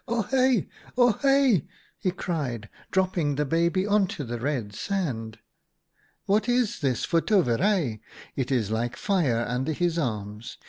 ohe" ! oh6 !' he cried, dropping the baby on to the red sand. ' What is this for toverij ! It is like fire under his arms.